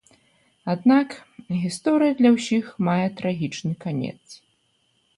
Аднак, гісторыя для ўсіх мае трагічны канец.